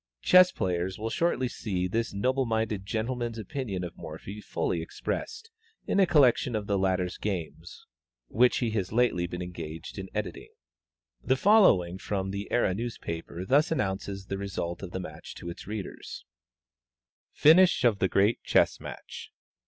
Chess players will shortly see this noble minded gentleman's opinion of Morphy fully expressed, in a collection of the latter's games which he has lately been engaged in editing. The following extract from The Era newspaper thus announces the result of the match to its readers: FINISH OF THE GREAT CHESS MATCH.